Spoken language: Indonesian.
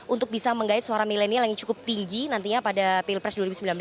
untuk bisa menggait suara milenial yang cukup tinggi nantinya pada pilpres dua ribu sembilan belas